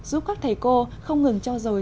giúp các thầy cô không ngừng cho dồi